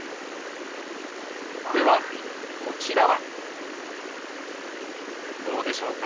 ではこちらはどうでしょうか？